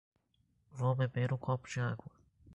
Vou beber um copo de água.